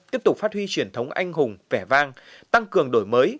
tiếp tục phát huy truyền thống anh hùng vẻ vang tăng cường đổi mới